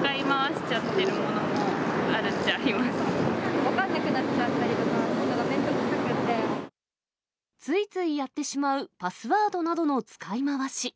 使い回しちゃってるものも、分かんなくなっちゃったりとついついやってしまう、パスワードなどの使い回し。